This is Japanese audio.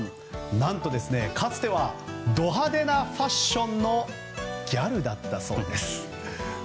何と、かつてはド派手なファッションのギャルでした。